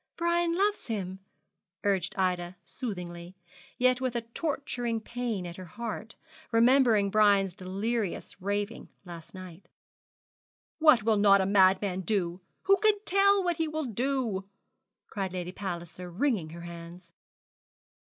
Brian loves him,' urged Ida soothingly, yet with a torturing pain at her heart, remembering Brian's delirious raving last night. 'What will not a madman do? Who can tell what he will do?' cried Lady Palliser, wringing her hands.